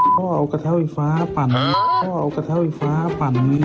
เพราะว่าเอากระเท้าไอฟ้าปั่นเพราะว่าเอากระเท้าไอฟ้าปั่นนี่